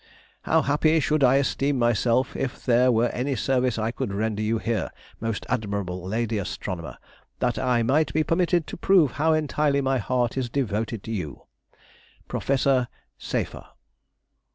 How happy should I esteem myself if there were any service I could render you here, most admirable lady astronomer, that I might be permitted to prove how entirely my heart is devoted to you. PROF. SEYFFER.